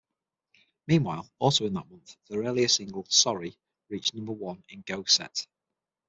Meanwhile, also in that month, their earlier single, "Sorry", reached number one in "Go-Set".